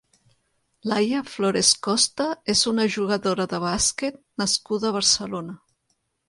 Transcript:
Laia Flores Costa és una jugadora de bàsquet nascuda a Barcelona.